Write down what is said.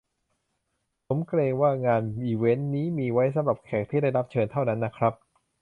ผมเกรงว่างานอีเวนท์นี้มีไว้สำหรับแขกที่ได้รับเชิญเท่านั้นนะครับ